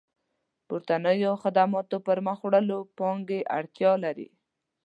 پورتنيو خدماتو پرمخ وړلو پانګې اړتيا لري.